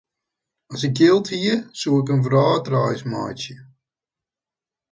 As ik jild hie, soe ik in wrâldreis meitsje.